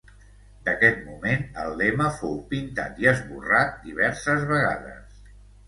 D'aquest moment, el lema fou pintat i esborrat diverses vegades.